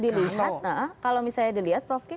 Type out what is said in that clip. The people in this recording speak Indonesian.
dilihat kalau misalnya dilihat prof ki